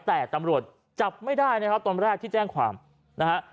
แต่ตำรวจจับไม่ได้นะครับตอนแรกที่แจ้งความนะฮะ